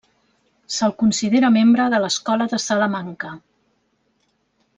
Se'l considera membre de l'Escola de Salamanca.